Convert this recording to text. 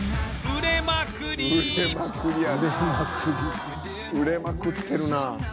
売れまくってるなあ。